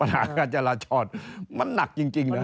ปัญหาจราชอตมันหนักจริงนะ